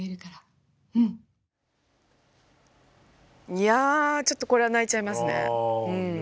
いやあちょっとこれは泣いちゃいますね。